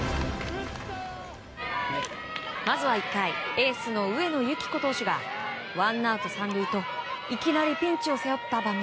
まずは１回エースの上野由岐子投手がワンアウト３塁といきなりピンチを背負った場面。